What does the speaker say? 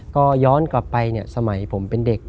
ก็ย้อนกลับไปเนี่ยสมัยผมเป็นเด็ก